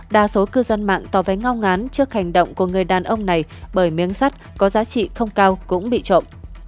đa số cư dân mạng tỏ vé ngao ngán trước hành động của người đàn ông này bởi miếng sắt có giá trị không cao cũng bị trộm